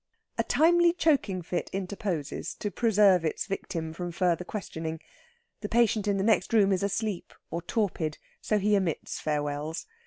A timely choking fit interposes to preserve its victim from further questioning. The patient in the next room is asleep or torpid, so he omits farewells.